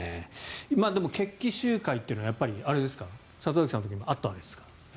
でも、決起集会ってのは里崎さんの時もあったわけですか？